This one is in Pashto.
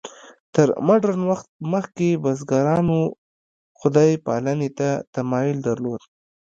تر مډرن وخت مخکې بزګرانو خدای پالنې ته تمایل درلود.